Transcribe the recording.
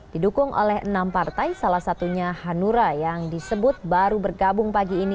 didukung oleh enam partai salah satunya hanura yang disebut baru bergabung pagi ini